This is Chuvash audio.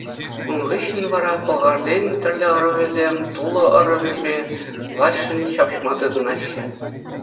Ун хыҫҫӑн вара пӑлхарсен тӗрлӗ ӑрӑвӗсем Тулӑ ӑрӑвӗпе влаҫшӑн ҫапӑҫма тытӑнаҫҫӗ.